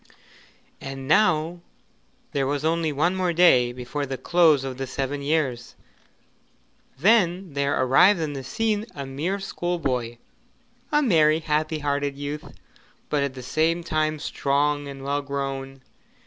And now there was only one more day before the close of the seven years. Then there arrived on the scene a mere schoolboy a merry, happy hearted youth, but at the same time strong and well grown.